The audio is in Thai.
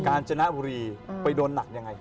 การจนบุรีไปโดนหนักยังไง